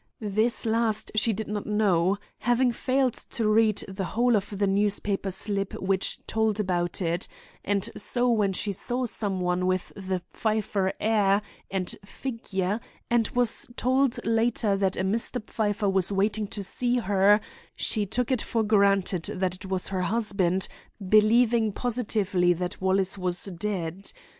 This last she did not know, having failed to read the whole of the newspaper slip which told about it, and so when she saw some one with the Pfeiffer air and figure and was told later that a Mr. Pfeiffer was waiting to see her, she took it for granted that it was her husband, believing positively that Wallace was dead.